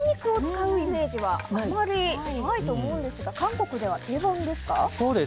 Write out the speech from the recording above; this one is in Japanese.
スンドゥブってひき肉を使うイメージはあんまりないと思うんですが韓国では定番ですか？